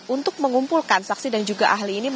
untuk mengumpulkan saksi dan juga ahli ini